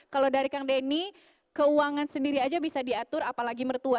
kalau dari kang denny keuangan sendiri aja bisa diatur apalagi mertua